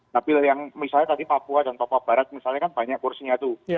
tapi yang misalnya tadi papua dan papua barat misalnya kan banyak kursinya tuh